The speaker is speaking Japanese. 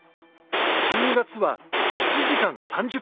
１２月は１時間３０分。